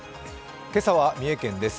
今朝は三重県です。